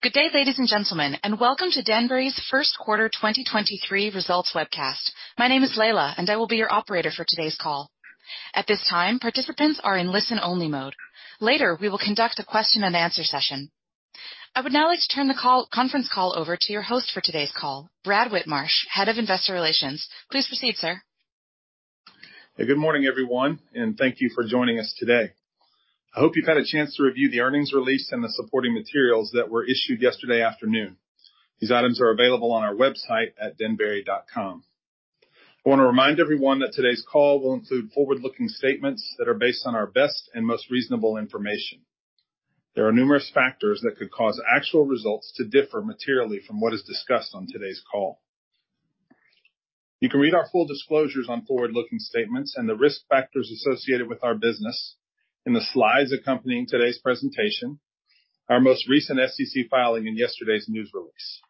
Good day, ladies and gentlemen. Welcome to Denbury's First Quarter 2023 results Webcast. My name is Layla. I will be your operator for today's call. At this time, participants are in listen-only mode. Later, we will conduct a question-and-answer session. I would now like to turn the conference call over to your host for today's call, Brad Whitmarsh; Head of Investor Relations. Please proceed, sir. Good morning, everyone. Thank you for joining us today. I hope you've had a chance to review the earnings release and the supporting materials that were issued yesterday afternoon. These items are available on our website at denbury.com. I wanna remind everyone that today's call will include forward-looking statements that are based on our best and most reasonable information. Numerous factors could cause actual results to differ materially from what is discussed on today's call. You can read our full disclosures on forward-looking statements and the risk factors associated with our business in the slides accompanying today's presentation, our most recent SEC filing in yesterday's news release.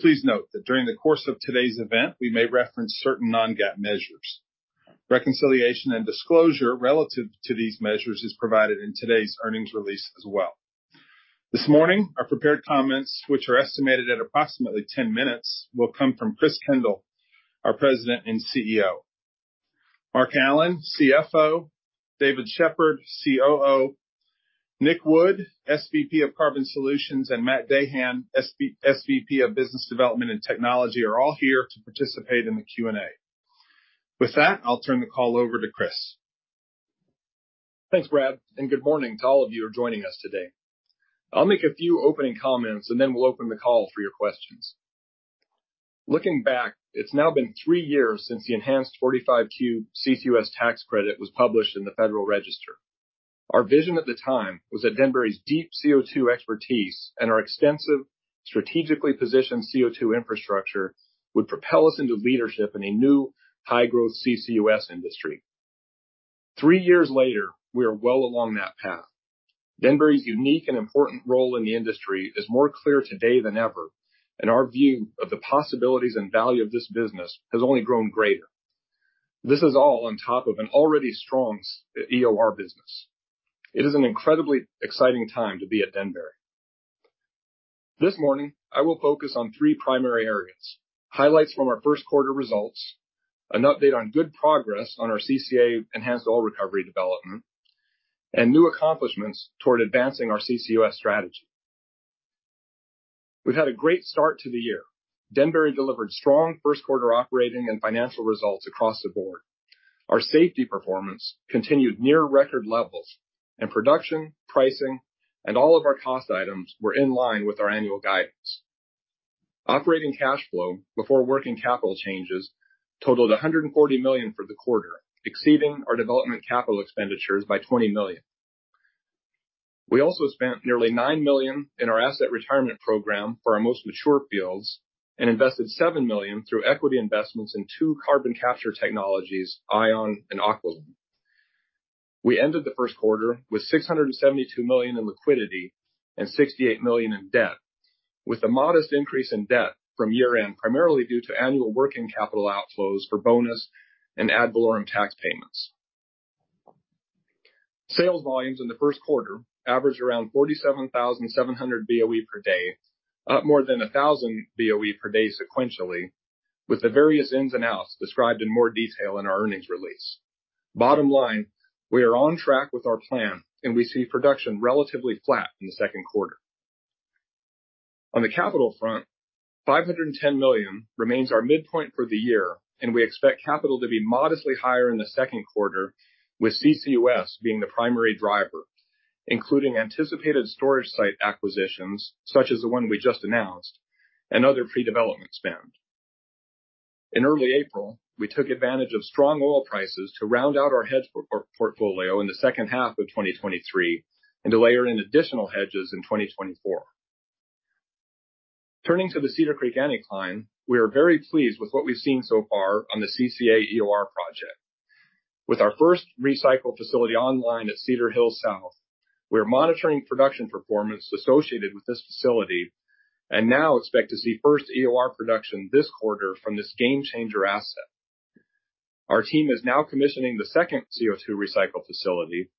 Please note that during the course of today's event, we may reference certain non-GAAP measures. Reconciliation and disclosure relative to these measures is provided in today's earnings release as well. This morning, our prepared comments, which are estimated at approximately 10 minutes, will come from Chris Kendall, our President and CEO. Mark Allen, CFO, David Sheppard, COO, Nikulas Wood, SVP of Carbon Solutions, and Matthew Dahan, SVP of Business Development and Technology, are all here to participate in the Q&A. I'll turn the call over to Chris. Thanks, Brad, and good morning to all of you who are joining us today. I'll make a few opening comments, and then we'll open the call for your questions. Looking back, it's now been 3 years since the enhanced 45Q CCUS tax credit was published in the Federal Register. Our vision at the time was that Denbury's deep CO2 expertise and our extensive strategically positioned CO2 infrastructure would propel us into leadership in a new high-growth CCUS industry. 3 years later, we are well along that path. Denbury's unique and important role in the industry is more clear today than ever, and our view of the possibilities and value of this business has only grown greater. This is all on top of an already strong EOR business. It is an incredibly exciting time to be at Denbury. This morning, I will focus on three primary areas: highlights from our first quarter results, an update on good progress on our CCA enhanced oil recovery development, and new accomplishments toward advancing our CCUS strategy. We've had a great start to the year. Denbury delivered strong first-quarter operating and financial results across the board. Our safety performance continued near record levels, and production, pricing, and all of our cost items were in line with our annual guidance. Operating cash flow before working capital changes totaled $140 million for the quarter, exceeding our development capital expenditures by $20 million. We also spent nearly $9 million in our asset retirement program for our most mature fields and invested $7 million through equity investments in two carbon capture technologies, ION and Aqualung. We ended the first quarter with $672 million in liquidity and $68 million of debt, with a modest increase in debt from year-end, primarily due to annual working capital outflows for bonus and ad valorem tax payments. Sales volumes in the first quarter averaged around 47,700 Boe per day, up more than 1,000 Boe per day sequentially, with the various ins and outs described in more detail in our earnings release. Bottom line, we are on track with our plan, and we see production relatively flat in the second quarter. On the capital front, $510 million remains our midpoint for the year, and we expect capital to be modestly higher in the second quarter, with CCUS being the primary driver, including anticipated storage site acquisitions, such as the one we just announced, and other pre-development spend. In early April, we took advantage of strong oil prices to round out our hedge portfolio in the second half of 2023 and to layer in additional hedges in 2024. Turning to the Cedar Creek Anticline, we are very pleased with what we've seen so far on the CCA EOR project. With our first recycle facility online at Cedar Hill South, we're monitoring production performance associated with this facility and now expect to see first EOR production this quarter from this game-changer asset. Our team is now commissioning the second CO2 recycle facility,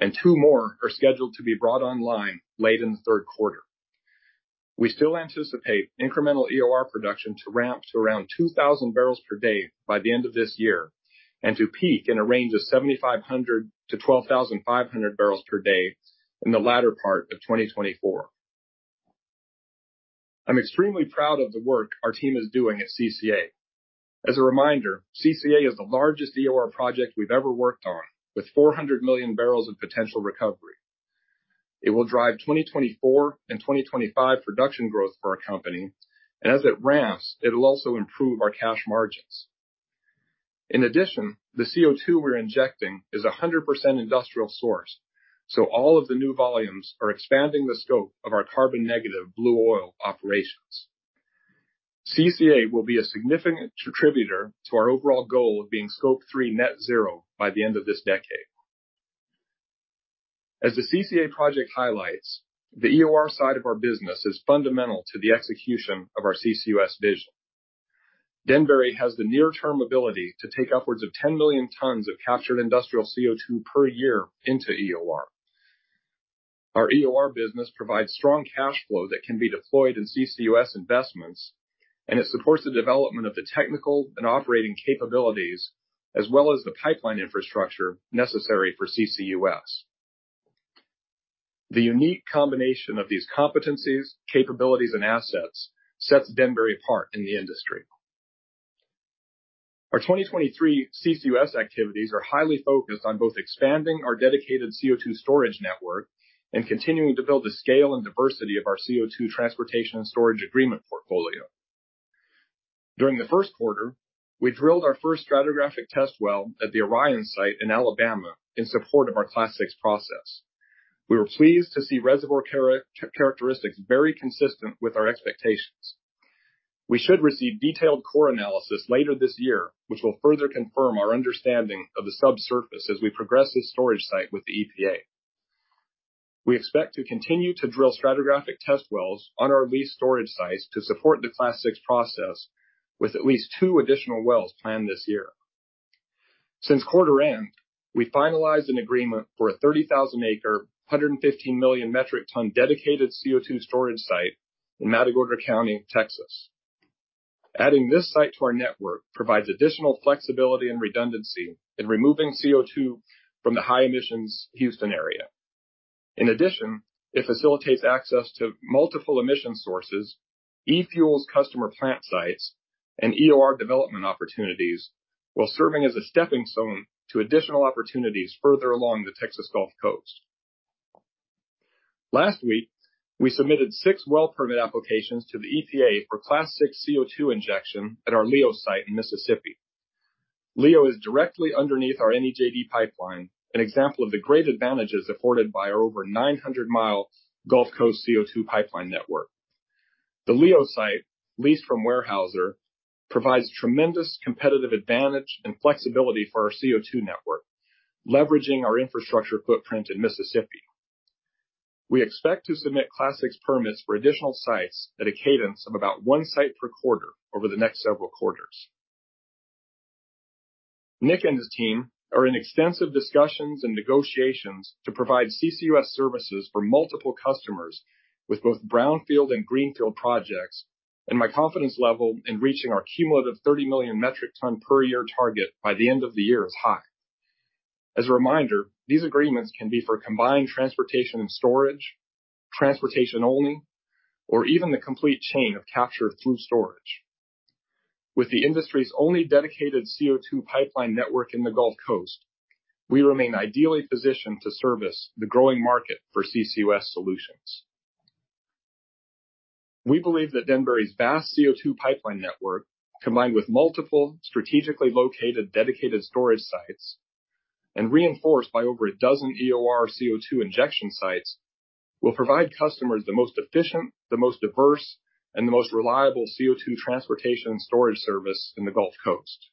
and two more are scheduled to be brought online late in the third quarter. We still anticipate incremental EOR production to ramp to around 2,000 barrels per day by the end of this year and to peak in a range of 7,500-12,500 barrels per day in the latter part of 2024. I'm extremely proud of the work our team is doing at CCA. As a reminder, CCA is the largest EOR project we've ever worked on, with 400 million barrels of potential recovery. It will drive 2024 and 2025 production growth for our company, and as it ramps, it'll also improve our cash margins. In addition, the CO2 we're injecting is 100% industrial source. All of the new volumes are expanding the scope of our carbon-negative blue oil operations. CCA will be a significant contributor to our overall goal of being Scope 3 net zero by the end of this decade. As the CCA project highlights, the EOR side of our business is fundamental to the execution of our CCUS vision. Denbury has the near-term ability to take upwards of 10 million tons of captured industrial CO2 per year into EOR. Our EOR business provides strong cash flow that can be deployed in CCUS investments. It supports the development of the technical and operating capabilities as well as the pipeline infrastructure necessary for CCUS. The unique combination of these competencies, capabilities, and assets sets Denbury apart in the industry. Our 2023 CCUS activities are highly focused on both expanding our dedicated CO2 storage network and continuing to build the scale and diversity of our CO2 transportation and storage agreement portfolio. During the first quarter, we drilled our first stratigraphic test well at the Orion site in Alabama in support of our Class VI process. We were pleased to see reservoir characteristics very consistent with our expectations. We should receive detailed core analysis later this year, which will further confirm our understanding of the subsurface as we progress this storage site with the EPA. We expect to continue to drill stratigraphic test wells on our lease storage sites to support the Class VI process with at least two additional wells planned this year. Since quarter end, we finalized an agreement for a 30,000-acre, 115-million-metric-ton dedicated CO2 storage site in Matagorda County, Texas. Adding this site to our network provides additional flexibility and redundancy in removing CO2 from the high-emissions, Houston area. In addition, it facilitates access to multiple emission sources, e-fuels customer plant sites, and EOR development opportunities while serving as a stepping stone to additional opportunities further along the Texas Gulf Coast. Last week, we submitted six well permit applications to the EPA for Class VI CO2 injection at our LEO site in Mississippi. LEO is directly underneath our NEJD Pipeline, an example of the great advantages afforded by our over 900 mi Gulf Coast CO2 pipeline network. The LEO site, leased from Weyerhaeuser, provides tremendous competitive advantage and flexibility for our CO2 network, leveraging our infrastructure footprint in Mississippi. We expect to submit Class VI permits for additional sites at a cadence of about 1 site per quarter over the next several quarters. Nick and his team are in extensive discussions and negotiations to provide CCUS services for multiple customers with both brownfield and greenfield projects, my confidence level in reaching our cumulative 30 million metric ton per year target by the end of the year is high. As a reminder, these agreements can be for combined transportation and storage, transportation only, or even the complete chain of capture through storage. With the industry's only dedicated CO2 pipeline network in the Gulf Coast, we remain ideally positioned to service the growing market for CCUS solutions. We believe that Denbury's vast CO2 pipeline network, combined with multiple strategically located dedicated storage sites and reinforced by over a dozen EOR CO2 injection sites, will provide customers the most efficient, diverse, and the most reliable CO2 transportation and storage service in the Gulf Coast.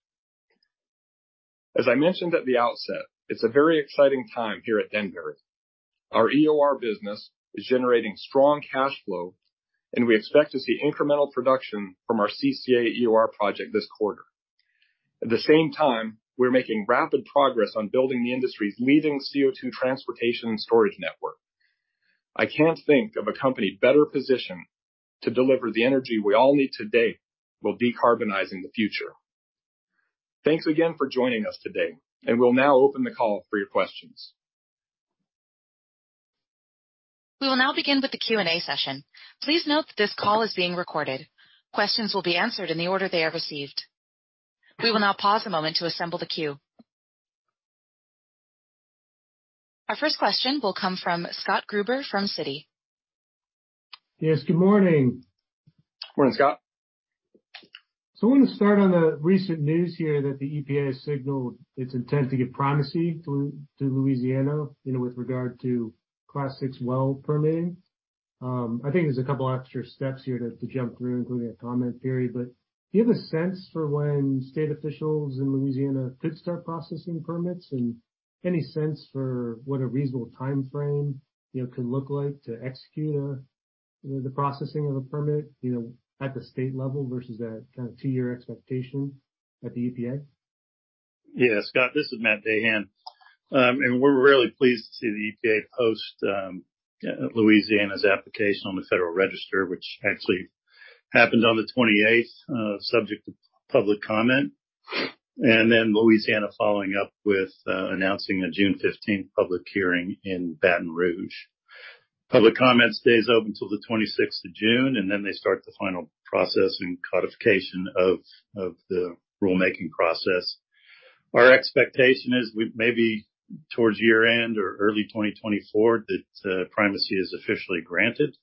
As I mentioned at the outset, it's a very exciting time here at Denbury. Our EOR business is generating strong cash flow, and we expect to see incremental production from our CCA EOR project this quarter. At the same time, we're making rapid progress on building the industry's leading CO2 transportation and storage network. I can't think of a company better positioned to deliver the energy we all need today while decarbonizing the future. Thanks again for joining us today, and we'll now open the call for your questions. We will now begin with the Q&A session. Please note that this call is being recorded. Questions will be answered in the order they are received. We will now pause a moment to assemble the queue. Our first question will come from Scott Gruber from Citi. Yes, good morning. Morning, Scott. I want to start on the recent news here that the EPA signaled its intent to give primacy to Louisiana, you know, with regard to Class VI well permitting. I think there are of a couple extra steps here to jump through, including a comment period. Do you have a sense for when state officials in Louisiana could start processing permits and any sense for what a reasonable timeframe, you know, could look like to execute a, you know, the processing of a permit, you know, at the state level versus that kind of two-year expectation at the EPA? Yeah, Scott, this is Matthew Dahan. We're really pleased to see the EPA post Louisiana's application on the Federal Register, which actually happened on the 28, subject to public comment. Louisiana following up with announcing a June 15 public hearing in Baton Rouge. Public comment stays open till the 26is of June, they start the final process and codification of the rulemaking process. Our expectation is we may be towards year-end or early 2024 that primacy is officially granted.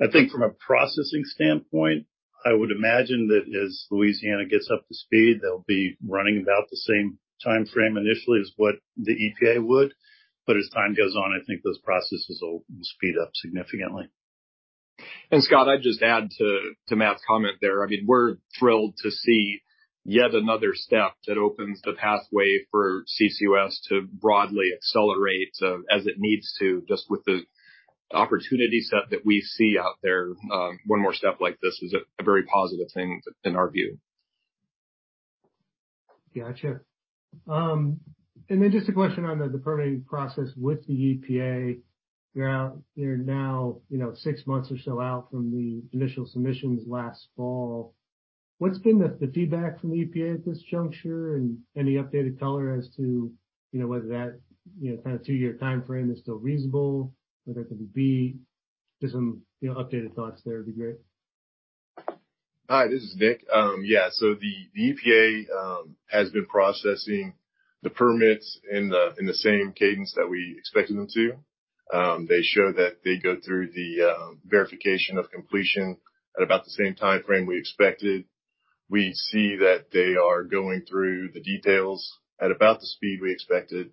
I think from a processing standpoint, I would imagine that as Louisiana gets up to speed, they'll be running about the same timeframe initially as what the EPA would. As time goes on, I think those processes will speed up significantly. Scott, I'd just add to Matt's comment there. I mean, we're thrilled to see yet another step that opens the pathway for CCUS to broadly accelerate, as it needs to, just with the opportunity set that we see out there, one more step like this is a very positive thing in our view. Got you. Just a question on the permitting process with the EPA. You're now, you know, six months or so out from the initial submissions last fall. What's been the feedback from the EPA at this juncture? Any updated color as to, you know, whether that, you know, kind of two-year timeframe is still reasonable, whether it could be. Just some, you know, updated thoughts there would be great. Hi, this is Nick. Yeah. The EPA has been processing the permits at the same pace that we expected them to. They show that they go through the verification of completion at about the same timeframe we expected. We see that they are going through the details at about the speed we expected.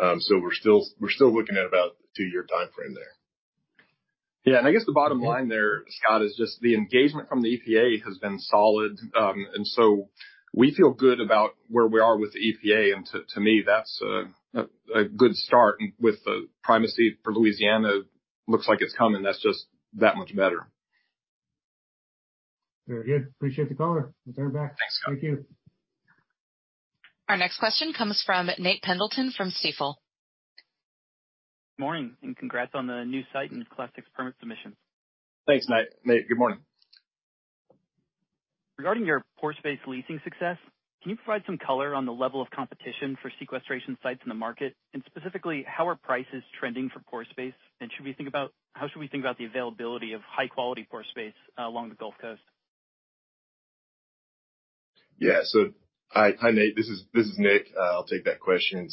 We're still looking at about a two-year timeframe there. Yeah. I guess the bottom line there, Scott, is just the engagement from the EPA has been solid. We feel good about where we are with the EPA. To me, that's a good start with the primacy for Louisiana. Looks like it's coming. That's just that much better. Very good. Appreciate the color. We'll turn it back. Thanks, Scott. Thank you. Our next question comes from Nathaniel Pendleton from Stifel. Morning, congrats on the new site and Class VI permit submission. Thanks, Nate. Nate, good morning. Regarding your pore space leasing success, can you provide some color on the level of competition for sequestration sites in the market? Specifically, how are prices trending for pore space? How should we think about the availability of high-quality pore space along the Gulf Coast? Hi, Nate. This is Nick. I'll take that question.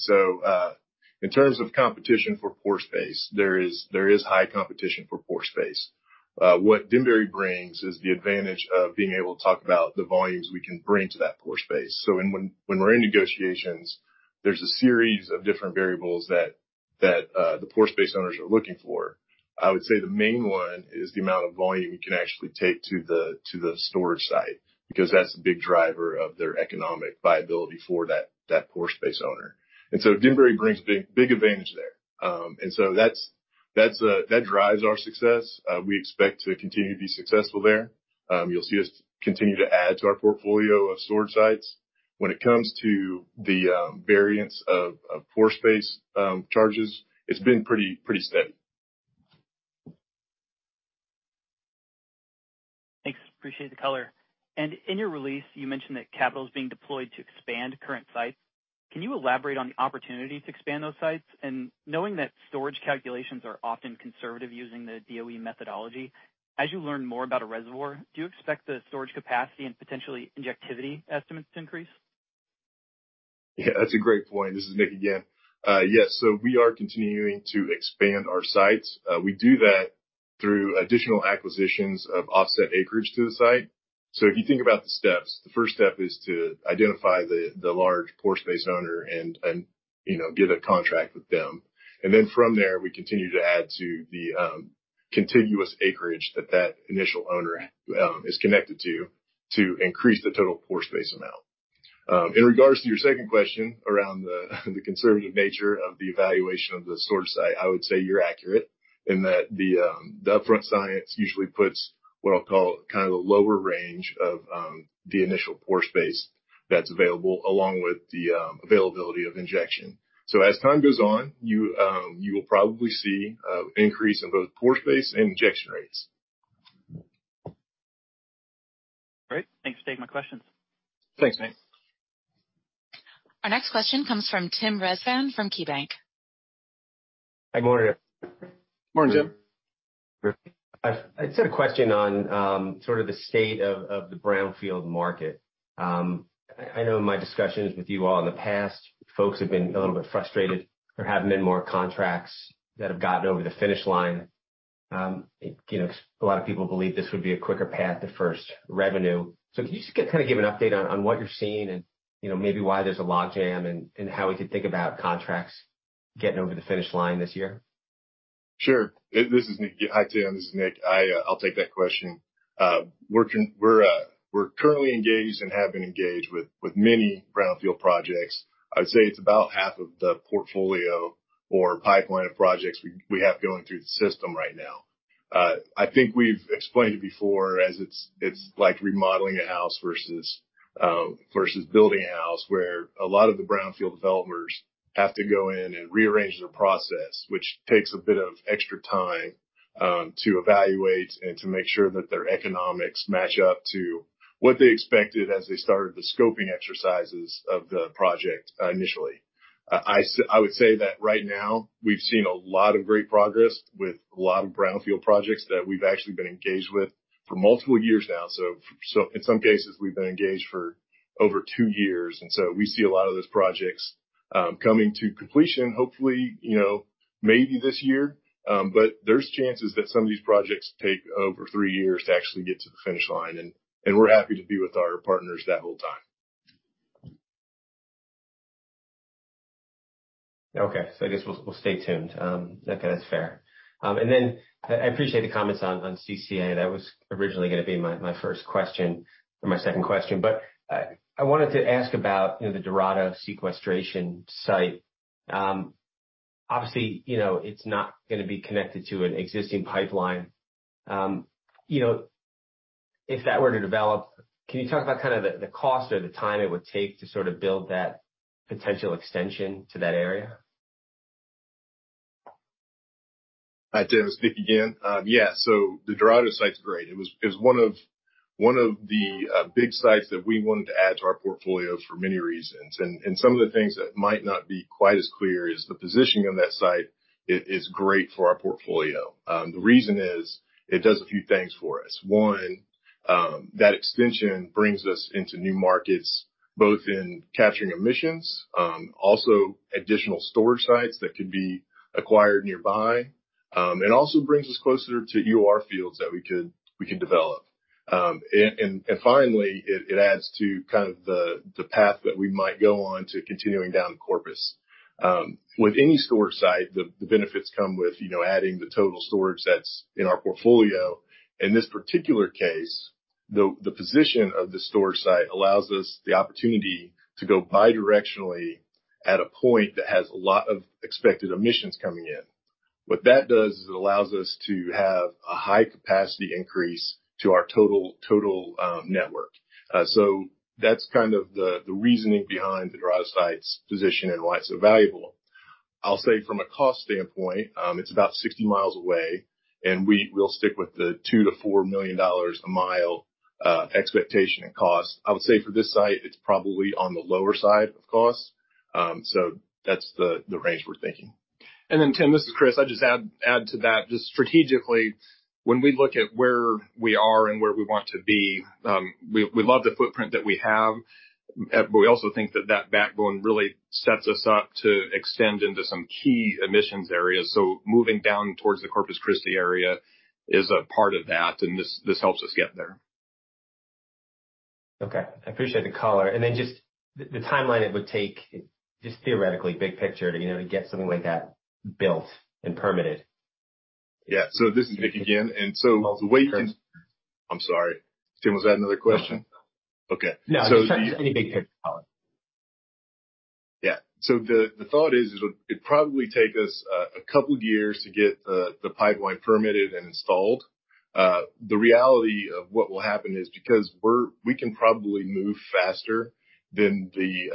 In terms of competition for pore space, there is high competition for pore space. What Denbury brings is the advantage of being able to talk about the volumes we can bring to that pore space. When we're in negotiations, there's a series of different variables that the pore space owners are looking for. I would say the main one is the amount of volume you can actually take to the storage site, because that's a big driver of their economic viability for that pore space owner. Denbury brings big advantage there. That's that drives our success. We expect to continue to be successful there. You'll see us continue to add to our portfolio of storage sites. When it comes to the variance of pore space charges, it's been pretty steady. Thanks. Appreciate the color. In your release, you mentioned that capital is being deployed to expand current sites. Can you elaborate on the opportunity to expand those sites? Knowing that storage calculations are often conservative using the DOE methodology, as you learn more about a reservoir, do you expect the storage capacity and potentially injectivity estimates to increase? Yeah, that's a great point. This is Nick again. Yes. We are continuing to expand our sites. We do that through additional acquisitions of offset acreage to the site. If you think about the steps, the first step is to identify the large pore space owner and, you know, get a contract with them. Then from there, we continue to add to the contiguous acreage that initial owner is connected to increase the total pore space amount. In regards to your second question around the conservative nature of the evaluation of the storage site, I would say you're accurate in that the upfront science usually puts what I'll call kind of a lower range of the initial pore space that's available, along with the availability of injection as time goes on, you will probably see an increase in both pore space and injection rates. Great. Thanks for taking my questions. Thanks, Nate. Our next question comes from Tim Rezvan from KeyBank. Good morning. Morning, Tim. I just had a question on, sort of the state of the brownfield market. I know in my discussions with you all in the past, folks have been a little bit frustrated. There haven't been more contracts that have gotten over the finish line. You know, a lot of people believe this would be a quicker path to first revenue. Can you just kinda give an update on what you're seeing and, you know, maybe why there's a logjam and how we could think about contracts getting over the finish line this year? Sure. This is Nick. Hi, Tim. This is Nick. I'll take that question. We're currently engaged and have been engaged with many brownfield projects. I would say it's about half of the portfolio or pipeline of projects we have going through the system right now. I think we've explained it before as it's like remodeling a house versus building a house, where a lot of the brownfield developers have to go in and rearrange their process, which takes a bit of extra time to evaluate and to make sure that their economics match up to what they expected as they started the scoping exercises of the project initially. I would say that right now, we've seen a lot of great progress with a lot of brownfield projects that we've actually been engaged with for multiple years now. In some cases, we've been engaged for over two years, and so we see a lot of those projects coming to completion, hopefully, you know, maybe this year. There's chances that some of these projects take over three years to actually get to the finish line, and we're happy to be with our partners that whole time. I guess we'll stay tuned. That's fair. I appreciate the comments on CCA. That was originally gonna be my first question or my second question. I wanted to ask about, you know, the Dorado sequestration site. Obviously, you know, it's not gonna be connected to an existing pipeline. You know, if that were to develop, can you talk about kind of the cost or the time it would take to sort of build that potential extension to that area? Hi, Tim. It's Nick again. The Dorado site's great. It was one of the big sites that we wanted to add to our portfolio for many reasons. Some of the things that might not be quite as clear is the positioning on that site is great for our portfolio. The reason is it does a few things for us. One, that extension brings us into new markets, both in capturing emissions, also additional storage sites that could be acquired nearby. It also brings us closer to EOR fields that we can develop. Finally, it adds to kind of the path that we might go on to continuing down Corpus. With any storage site, the benefits come with, you know, adding the total storage that's in our portfolio. In this particular case, the position of the storage site allows us the opportunity to go bidirectionally at a point that has a lot of expected emissions coming in. What that does is it allows us to have a high capacity increase to our total network. That's kind of the reasoning behind the Dorado site's position and why it's so valuable. I'll say from a cost standpoint, it's about 60 miles away, and we'll stick with the $2-4 million a mile expectation in cost. I would say for this site, it's probably on the lower side of cost. That's the range we're thinking. Tim, this is Chris. I'd just add to that, just strategically, when we look at where we are and where we want to be, we love the footprint that we have, but we also think that that backbone really sets us up to extend into some key emissions areas. Moving down towards the Corpus Christi area is a part of that, and this helps us get there. Okay. I appreciate the color. Just the timeline it would take, just theoretically, big picture, to, you know, to get something like that built and permitted? Yeah. This is Nick again. I'm sorry. Tim, was that another question? No. Okay. No, just any big picture comment. Yeah. The thought is it'd probably take us a couple years to get the pipeline permitted and installed. The reality of what will happen is because we can probably move faster than the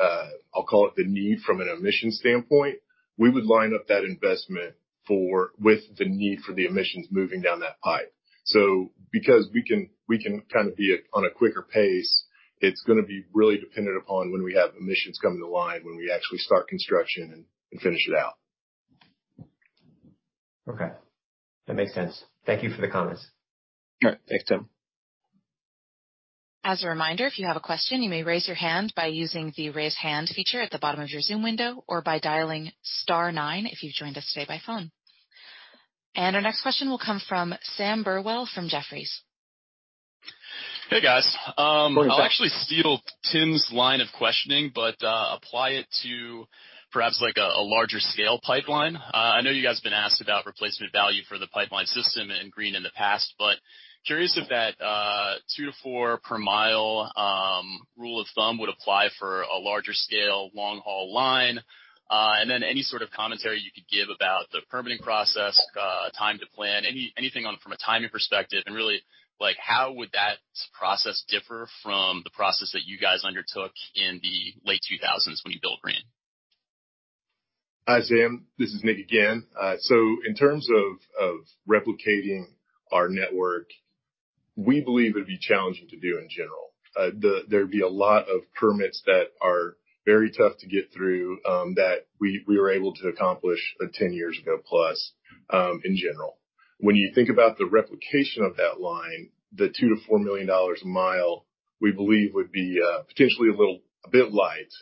I'll call it the need from an emissions standpoint. We would line up that investment with the need for the emissions moving down that pipe. Because we can kind of be at, on a quicker pace, it's gonna be really dependent upon when we have emissions coming to line, when we actually start construction and finish it out. Okay. That makes sense. Thank you for the comments. Sure. Thanks, Tim. As a reminder, if you have a question, you may raise your hand by using the Raise Hand feature at the bottom of your Zoom window or by dialing star nine, if you've joined us today by phone. Our next question will come from George Burwell from Jefferies. Hey, guys. I'll actually steal Tim's line of questioning, but apply it to perhaps like a larger-scale pipeline. I know you guys have been asked about replacement value for the pipeline system in Green in the past, but curious if that two-four per mile rule of thumb would apply for a larger-scale long-haul line. Then any sort of commentary you could give about the permitting process, time to plan, anything on it from a timing perspective, and really, like, how would that process differ from the process that you guys undertook in the late 2000s when you built Green? Hi, George Burwell. This is Nick again. In terms of replicating our network, we believe it'd be challenging to do in general. There'd be a lot of permits that are very tough to get through, that we were able to accomplish, 10+ years ago, in general. When you think about the replication of that line, the $2 -4 million a mile, we believe would be potentially a little bit light,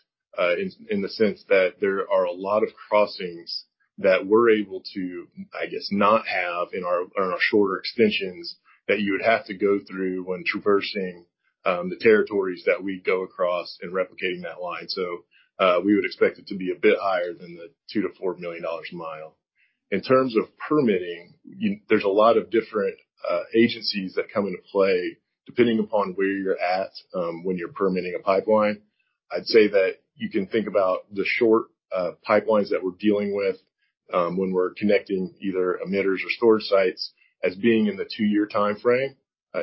in the sense that there are a lot of crossings that we're able to, I guess, not have in our shorter extensions that you would have to go through when traversing, the territories that we go across in replicating that line. We would expect it to be a bit higher than the $2 -4 million a mile. In terms of permitting, there's a lot of different agencies that come into play depending upon where you're at, when you're permitting a pipeline. I'd say that you can think about the short pipelines that we're dealing with, when we're connecting either emitters or storage sites as being in the two-year timeframe,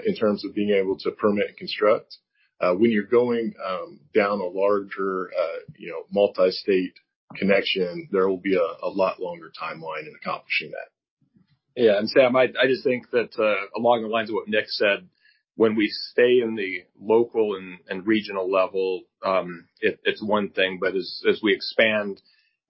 in terms of being able to permit and construct. When you're going down a larger, you know, multi-state connection, there will be a lot longer timeline in accomplishing that. Yeah. Sam, I just think that along the lines of what Nick said, when we stay in the local and regional level, it's one thing, but as we expand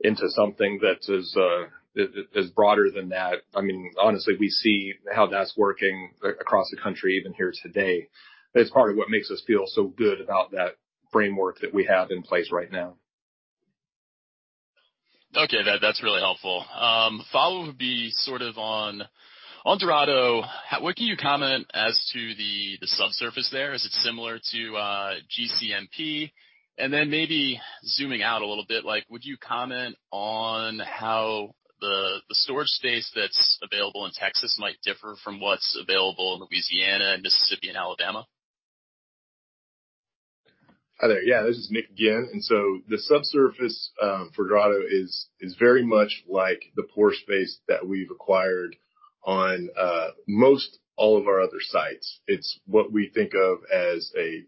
into something that's as that is broader than that, I mean, honestly, we see how that's working across the country even here today. That's part of what makes us feel so good about that framework that we have in place right now. Okay. That's really helpful. Following would be sort of On Dorado, what can you comment as to the subsurface there? Is it similar to GCMP? Maybe zooming out a little bit, like, would you comment on how the storage space that's available in Texas might differ from what's available in Louisiana and Mississippi and Alabama? Hi there. Yeah, this is Nick again. The subsurface for Dorado is very much like the pore space that we've acquired on most all of our other sites. It's what we think of as a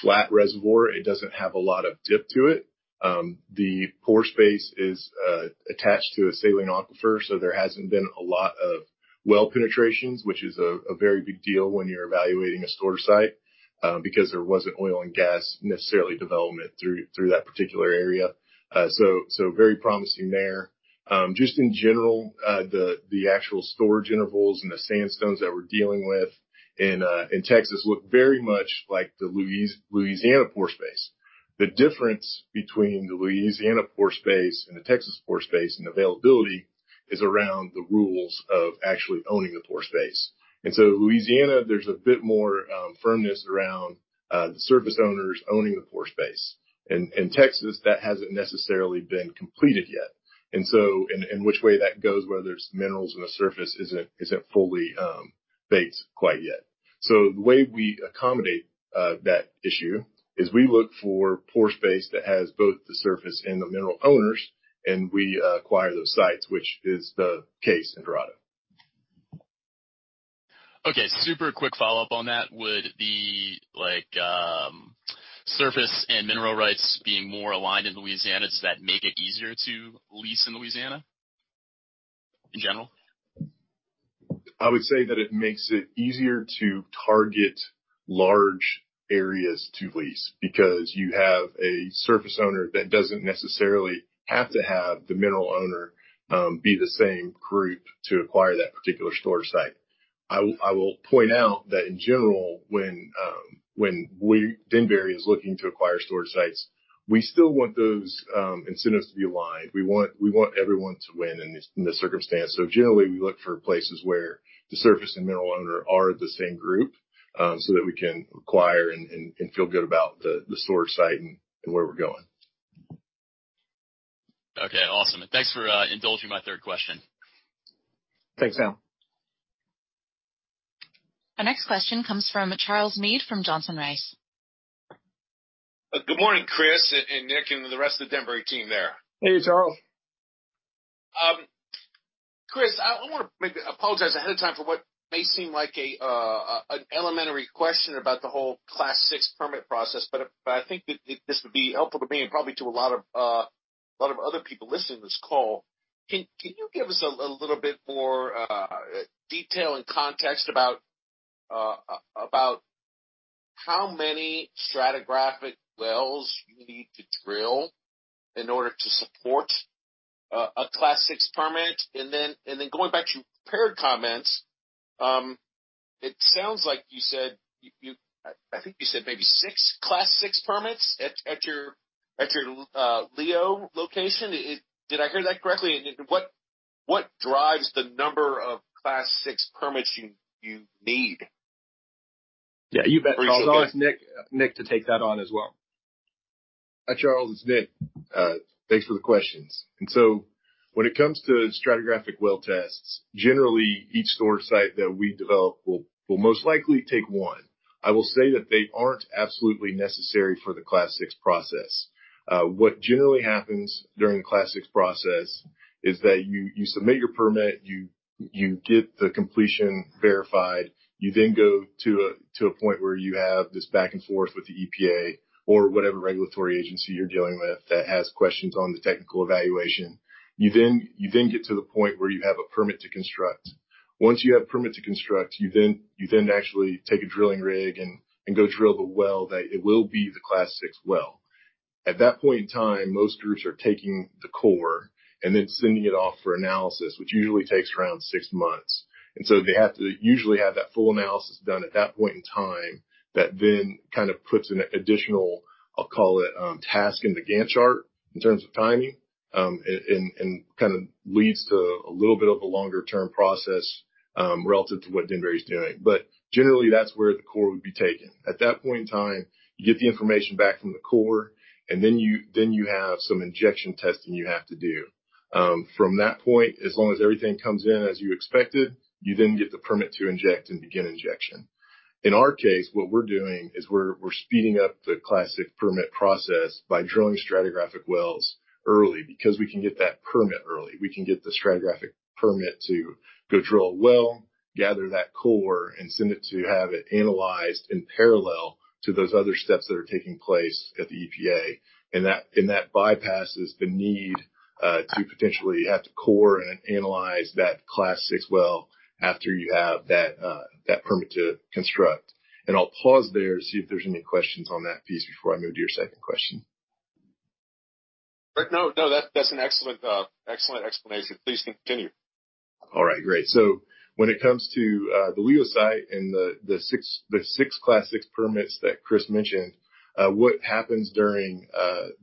flat reservoir. It doesn't have a lot of dip to it. The pore space is attached to a saline aquifer, so there hasn't been a lot of well penetrations, which is a very big deal when you're evaluating a storage site, because there wasn't oil and gas necessarily development through that particular area. Very promising there. Just in general, the actual storage intervals and the sandstones that we're dealing with in Texas look very much like the Louis-Louisiana pore space. The difference between the Louisiana pore space and the Texas pore space and availability is around the rules of actually owning the pore space. Louisiana, there's a bit more firmness around the surface owners owning the pore space. In Texas, that hasn't necessarily been completed yet. Which way that goes, whether it's minerals on the surface isn't fully baked quite yet. The way we accommodate that issue is we look for pore space that has both the surface and the mineral owners, and we acquire those sites, which is the case in Dorado. Super quick follow-up on that. Would the, like, surface and mineral rights being more aligned in Louisiana, does that make it easier to lease in Louisiana in general? I would say that it makes it easier to target large areas to lease because you have a surface owner that doesn't necessarily have to have the mineral owner be the same group to acquire that particular storage site. I will point out that in general when Denbury is looking to acquire storage sites, we still want those incentives to be aligned. We want everyone to win in this circumstance. Generally, we look for places where the surface and mineral owner are the same group, so that we can acquire and feel good about the storage site and where we're going. Okay, awesome. Thanks for indulging my third question. Thanks, Sam. Our next question comes from Charles Meade from Johnson Rice. Good morning, Chris and Nick, and the rest of the Denbury team there. Hey, Charles. Chris, I wanna maybe apologize ahead of time for what may seem like an elementary question about the whole Class VI permit process, but I think that this would be helpful to me and probably to a lot of other people listening to this call. Can you give us a little bit more detail and context about how many stratigraphic wells you need to drill in order to support a Class VI permit? Going back to your prepared comments, it sounds like you said I think you said maybe six Class VI permits at your Leo location. Did I hear that correctly? What drives the number of Class VI permits you need? Yeah, you bet, Charles. I'll ask Nick to take that on as well. Hi, Charles, it's Nick. Thanks for the questions. When it comes to stratigraphic well tests, generally each storage site that we develop will most likely take one. I will say that they aren't absolutely necessary for the Class VI process. What generally happens during the Class VI process is that you submit your permit, you get the completion verified. You then go to a point where you have this back and forth with the EPA or whatever regulatory agency you're dealing with that has questions on the technical evaluation. You then get to the point where you have a permit to construct. Once you have permit to construct, you then actually take a drilling rig and go drill the well that it will be the Class VI well. At that point in time, most groups are taking the core and then sending it off for analysis, which usually takes around six months. They have to usually have that full analysis done at that point in time. That then kind of puts an additional, I'll call it, task in the Gantt chart in terms of timing, and kind of leads to a little bit of a longer-term process, relative to what Denbury is doing. Generally, that's where the core would be taken. At that point in time, you get the information back from the core, and then you then have some injection testing you have to do. From that point, as long as everything comes in as you expected, you then get the permit to inject and begin injection. In our case, what we're doing is we're speeding up the classic permit process by drilling stratigraphic wells early because we can get that permit early. We can get the stratigraphic permit to go drill a well, gather that core, and send it to have it analyzed in parallel to those other steps that are taking place at the EPA. That bypasses the need to potentially have to core and analyze that Class VI well after you have that permit to construct. I'll pause there, see if there's any questions on that piece before I move to your second question. No, that's an excellent explanation. Please continue. All right, great. When it comes to the Leo site and the six Class VI permits that Chris mentioned, what happens during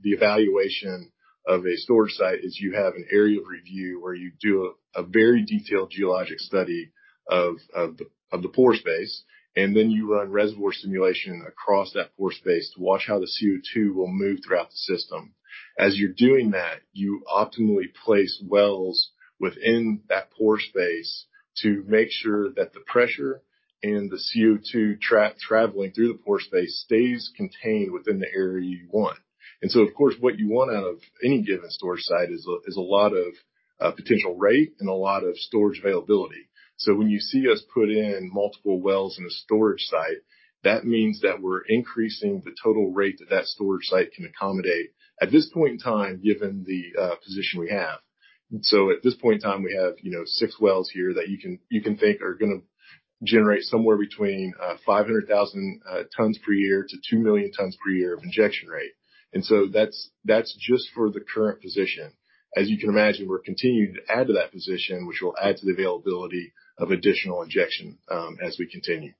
the evaluation of a storage site is you have an area of review where you do a very detailed geologic study of the pore space, and then you run reservoir simulation across that pore space to watch how the CO2 will move throughout the system. As you're doing that, you optimally place wells within that pore space to make sure that the pressure and the CO2 traveling through the pore space stays contained within the area you want. Of course, what you want out of any given storage site is a lot of potential rate and a lot of storage availability. When you see us put in multiple wells in a storage site, that means that we're increasing the total rate that storage site can accommodate at this point in time, given the position we have. At this point in time, we have, you know, 6 wells here that you can think are gonna generate somewhere between 500,000 tons per year to 2 million tons per year of injection rate. That's just for the current position. As you can imagine, we're continuing to add to that position, which will add to the availability of additional injection as we continue.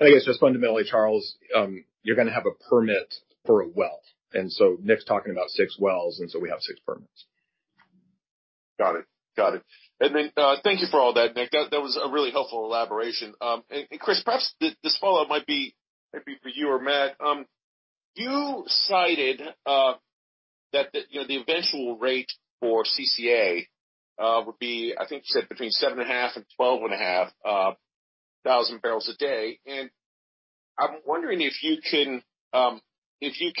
I guess just fundamentally, Charles, you're gonna have a permit for a well. Nick's talking about six wells, and so we have six permits. Got it. Thank you for all that, Nick. That was a really helpful elaboration. Chris, perhaps this follow-up might be for you or Matt. You cited that the, you know, the eventual rate for CCA would be, I think you said between 7.5 and 12.5 thousand barrels a day. I'm wondering if you can, if you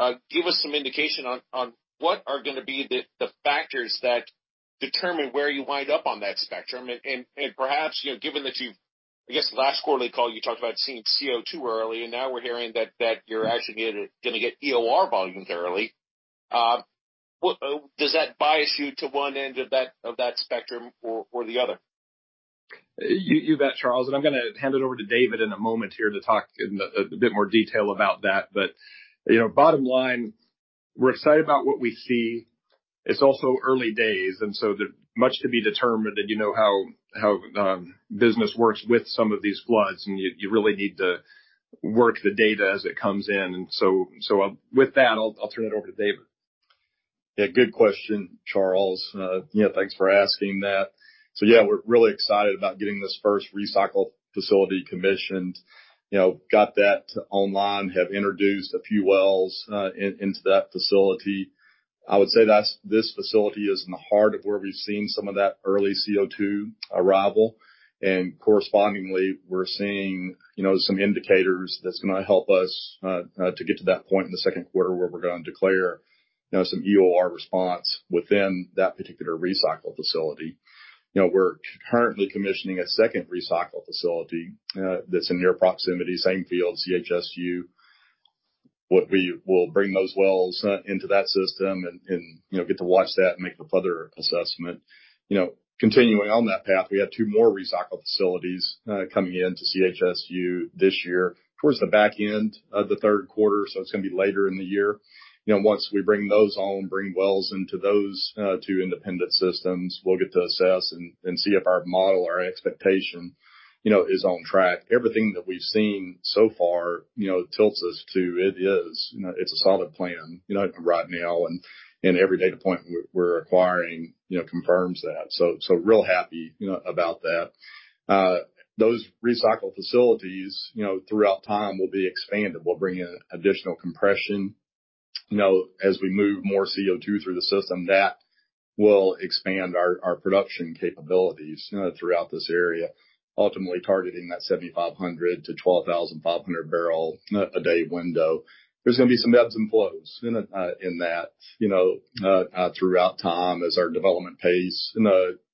can give us some indication on what are gonna be the factors that determine where you wind up on that spectrum, perhaps, you know, given that you've I guess last quarterly call, you talked about seeing CO2 early, and now we're hearing that you're actually gonna get EOR volumes early? Does that bias you to one end of that spectrum or the other? You bet, Charles. I'm gonna hand it over to David in a moment here to talk in a bit more detail about that. You know, bottom line, we're excited about what we see. It's also early days. There's much to be determined. You know how business works with some of these floods, and you really need to work the data as it comes in. With that, I'll turn it over to David. Good question, Charles. You know, thanks for asking that. Yeah, we're really excited about getting this first recycle facility commissioned. You know, got that online, have introduced a few wells into that facility. I would say this facility is in the heart of where we've seen some of that early CO2 arrival. Correspondingly, we're seeing, you know, some indicators that's gonna help us to get to that point in the second quarter where we're gonna declare, you know, some EOR response within that particular recycle facility. You know, we're currently commissioning a second recycle facility that's in near proximity, same field, CHSU. We will bring those wells into that system and, you know, get to watch that and make the further assessment. You know, continuing on that path, we have two more recycling facilities coming in to CHSU this year towards the back end of the third quarter, so it's gonna be later in the year. You know, once we bring those on, bring wells into those two independent systems, we'll get to assess and see if our model or our expectation, you know, is on track. Everything that we've seen so far, you know, tilts us to it is, you know, it's a solid plan, you know, right now, and every data point we're acquiring, you know, confirms that. Real happy, you know about that. Those recycle facilities, you know, throughout time will be expanded. We'll bring in additional compression. You know, as we move more CO2 through the system, that will expand our production capabilities, you know, throughout this area, ultimately targeting that 7,500-12,500 barrel a day window. There's gonna be some ebbs and flows in that, you know, throughout time as our development pace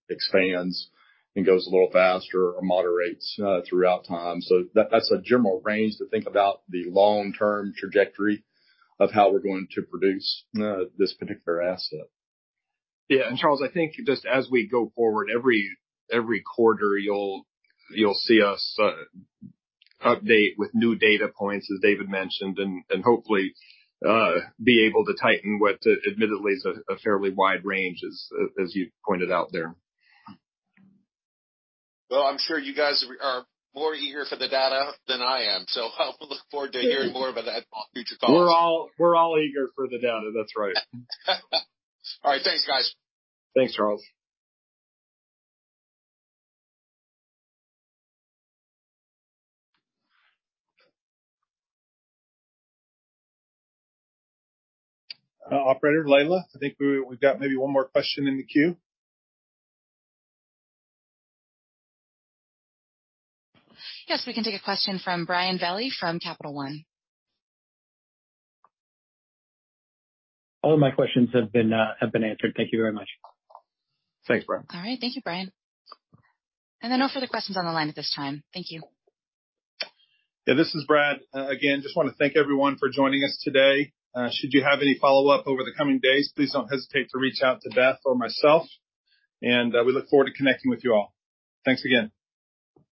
expands and goes a little faster or moderates throughout time. That's a general range to think about the long-term trajectory of how we're going to produce this particular asset. Yeah. Charles, I think just as we go forward, every quarter, you'll see us update with new data points, as David mentioned, and hopefully be able to tighten what admittedly is a fairly wide range as you pointed out there. I'm sure you guys are more eager for the data than I am, so I look forward to hearing more about that on future calls. We're all eager for the data. That's right. All right. Thanks, guys. Thanks, Charles. Operator Layla, I think we've got maybe 1 more question in the queue? Yes. We can take a question from Brian Velie from Capital One. All of my questions have been answered. Thank you very much. Thanks, Brian. All right. Thank you, Brian. No further questions on the line at this time. Thank you. Yeah, this is Brad. Again, just wanna thank everyone for joining us today. Should you have any follow-up over the coming days, please don't hesitate to reach out to Beth or myself. We look forward to connecting with you all. Thanks again.